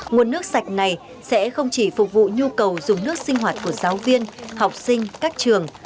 nguồn nước sạch này sẽ không chỉ phục vụ nhu cầu dùng nước sinh hoạt của giáo viên học sinh các trường